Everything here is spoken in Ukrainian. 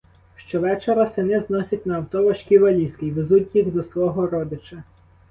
Щовечора сини зносять на авто важкі валізки й везуть їх до свого родича.